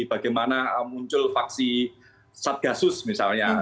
bagaimana muncul faksi satgasus misalnya